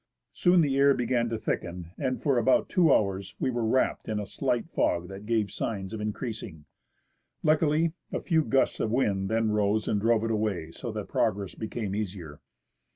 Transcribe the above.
Soon the air began to thicken, and for about two hours we were wrapped in a slight fog that gave signs of increasing. Luckily, a few gusts of wind then rose and drove it away, so that progress became easier.